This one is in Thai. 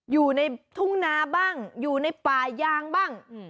อยู่ในทุ่งนาบ้างอยู่ในป่ายางบ้าง